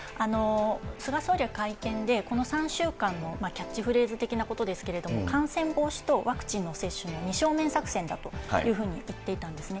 菅総理は会見で、この３週間のキャッチフレーズ的なことですけれども、感染防止とワクチンの接種の２正面作戦だというふうに言っていたんですね。